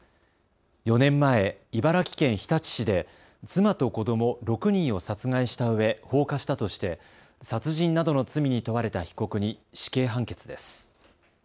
４年前、茨城県日立市で妻と子ども６人を殺害したうえ放火したとして殺人などの罪に問われた被告に死刑判決です。